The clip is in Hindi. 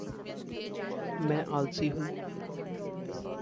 मैं आलसी हूँ।